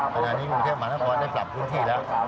ประกอบนี้บริหารบริหารหมานาคตได้ปรับพื้นที่แล้ว